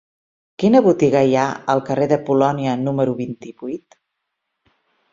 Quina botiga hi ha al carrer de Polònia número vint-i-vuit?